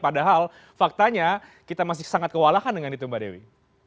padahal faktanya kita masih sangat kewalahan dengan itu mbak dewi